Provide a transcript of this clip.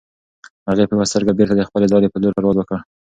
مرغۍ په یوه سترګه بېرته د خپلې ځالې په لور پرواز وکړ.